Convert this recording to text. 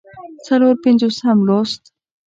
څلور پينځوسم لوست